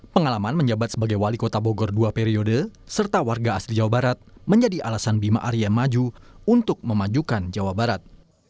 pengalaman menjabat sebagai wali kota bogor dua periode serta warga asli jawa barat menjadi alasan bima arya maju untuk memajukan jawa barat